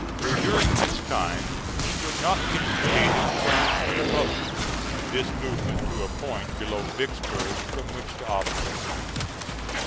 During this time he would not communicate his plans to the public this movement to a point below Vicksburg from which to operate.